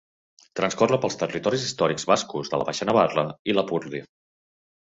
Transcorre pels territoris històrics bascos de la Baixa Navarra, i Lapurdi.